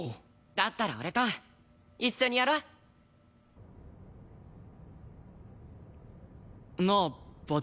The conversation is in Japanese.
だったら俺と一緒にやろ！なあ蜂楽。